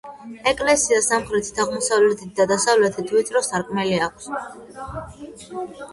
ეკლესიას სამხრეთით, აღმოსავლეთით და დასავლეთით ვიწრო სარკმელი აქვს.